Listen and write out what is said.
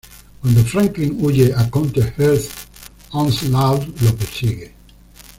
Cuando Franklin huye a Counter-Earth, Onslaught lo persigue.